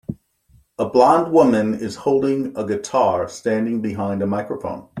A blond woman is holding a guitar standing behind a microphone.